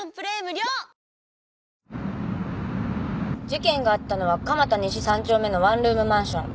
事件があったのは蒲田西３丁目のワンルームマンション。